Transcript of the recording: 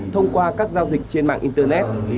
thông qua các giao dịch trên mạng internet